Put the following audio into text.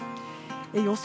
予想